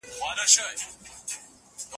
هیله مند ژوند د بریالیتوب سبب دی.